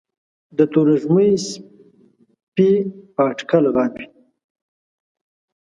د تروږمۍ سپي په اټکل غاپي